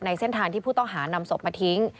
เส้นทางที่ผู้ต้องหานำศพมาทิ้ง